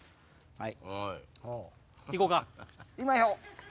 はい。